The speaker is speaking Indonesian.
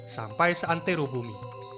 sampai seantero bumi